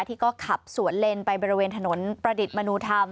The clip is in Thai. ที่ก็ขับสวนเลนไปบริเวณถนนประดิษฐ์มนุธรรม